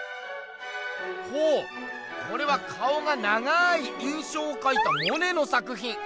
ほうこれは顔が長い「印象」をかいたモネの作品。